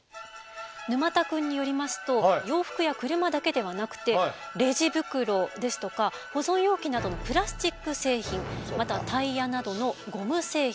沼田くんによりますと洋服や車だけではなくてレジ袋ですとか保存容器などのプラスチック製品またはタイヤなどのゴム製品